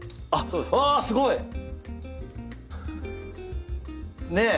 ああすごい！ねえ！